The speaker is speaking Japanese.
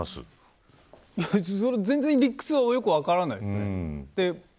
全然理屈がよく分からないです。